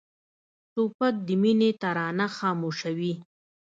توپک د مینې ترانه خاموشوي.